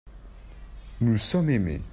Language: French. nous sommes aimés.